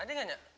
ada gak nya